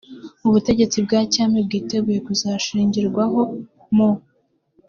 ubutegetsi bwa cyami bwiteguye kuzashingirwaho mu